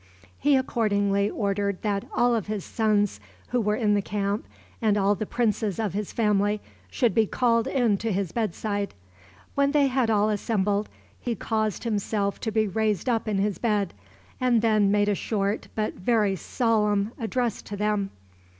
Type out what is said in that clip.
He accordingly ordered that all of his sons who were in the camp, and all the princes of his family, should be called in to his bedside. When they had all assembled, he caused himself to be raised up in his bed, and then made a short but very solemn address to them.